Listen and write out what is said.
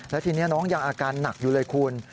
แล้วทีนี้น้องยังอาการหนักอยู่เลยคุณ